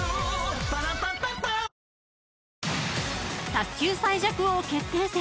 ［卓球最弱王決定戦。